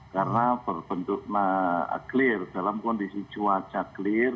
karena berbentuk clear dalam kondisi cuaca clear